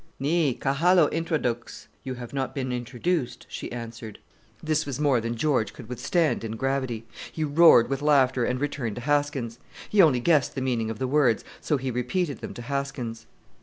"Ni ka halo introdux" (You have not been introduced), she answered. This was more than George could withstand in gravity. He roared with laughter and returned to Haskins. He only guessed the meaning of the words, so he repeated them to Haskins.